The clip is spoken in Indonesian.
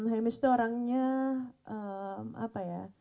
hemis itu orangnya apa ya